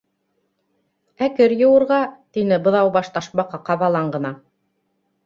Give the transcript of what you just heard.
—Ә кер йыуырға? —тине Быҙаубаш Ташбаҡа ҡабалан ғына.